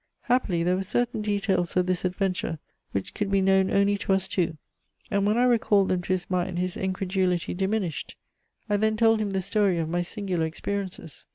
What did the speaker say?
Happily there were certain details of this adventure which could be known only to us two, and when I recalled them to his mind his incredulity diminished. I then told him the story of my singular experiences.